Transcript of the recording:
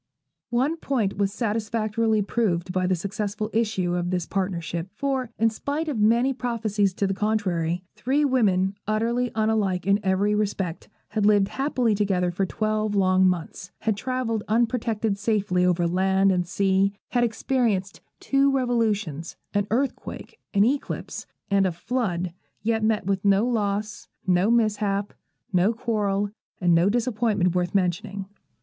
One point was satisfactorily proved by the successful issue of this partnership; for, in spite of many prophecies to the contrary, three women, utterly unlike in every respect, had lived happily together for twelve long months, had travelled unprotected safely over land and sea, had experienced two revolutions, an earthquake, an eclipse, and a flood, yet met with no loss, no mishap, no quarrel, and no disappointment worth mentioning.